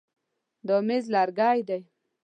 دا مېز لرګی دی.